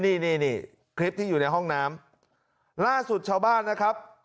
นี่นี่คลิปที่อยู่ในห้องน้ำล่าสุดชาวบ้านนะครับ